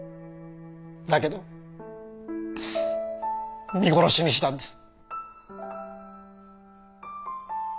だけど見殺しにしたんです。